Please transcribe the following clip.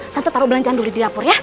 tante taro belanjaan dulu di dapur ya